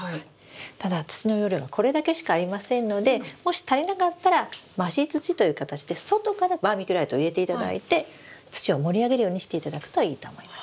ただ土の容量はこれだけしかありませんのでもし足りなかったら増し土という形で外からバーミキュライトを入れていただいて土を盛り上げるようにしていただくといいと思います。